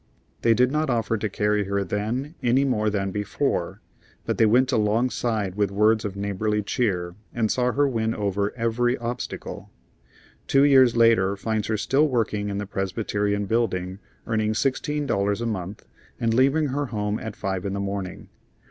They did not offer to carry her then any more than before, but they went alongside with words of neighborly cheer and saw her win over every obstacle. Two years later finds her still working in the Presbyterian Building earning sixteen dollars a month and leaving her home at five in the morning.